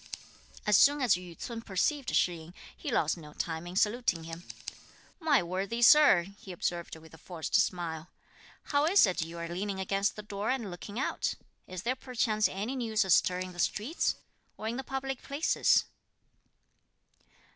As soon as Yü ts'un perceived Shih yin, he lost no time in saluting him. "My worthy Sir," he observed with a forced smile; "how is it you are leaning against the door and looking out? Is there perchance any news astir in the streets, or in the public places?"